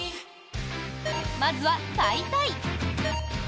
まずは「買いたい」。